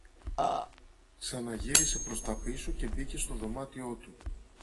Ξαναγύρισε προς τα πίσω και μπήκε στο δωμάτιό του